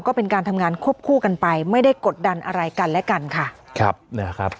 ก็เป็นการทำงานควบคู่กันไปไม่ได้กดดันอะไรกันและกันค่ะครับนะครับ